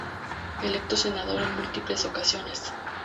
Electo senador en múltiples ocasiones.